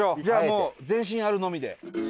じゃあもう前進あるのみで。